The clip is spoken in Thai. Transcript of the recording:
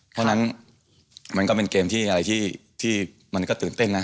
เพราะฉะนั้นมันก็เป็นเกมที่อะไรที่มันก็ตื่นเต้นนะ